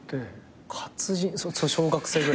小学生ぐらい？